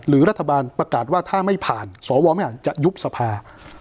รัฐบาลประกาศว่าถ้าไม่ผ่านสวไม่อาจจะยุบสภา